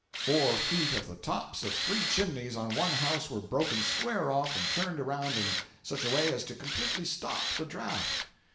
Four feet of the tops of three chimneys on one house were broken square off and turned around in such a way as to completely stop the draft.